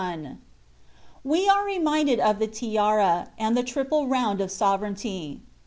We are reminded of the "tiara," and the "triple round of sovereignty."